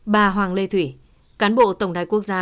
bà hoàng lê thủy cán bộ tổng đài quốc gia